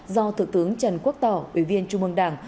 do thượng tướng trần quốc tỏ ủy viên trung mương đảng